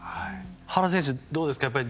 原選手、どうですか？